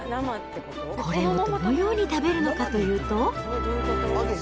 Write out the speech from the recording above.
これをどのように食べるのかというと。